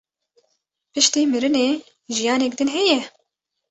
Piştî mirinê jiyanek din heye?